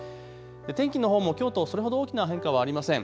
天気のほうもきょうとそれほど大きな変化はありません。